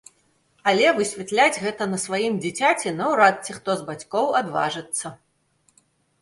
Але высвятляць гэта на сваім дзіцяці наўрад ці хто з бацькоў адважыцца.